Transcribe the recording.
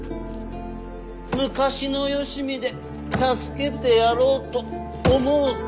昔のよしみで助けてやろうと思うたのに。